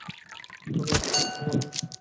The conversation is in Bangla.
নতুন করে আমার কিছু বলার নেই।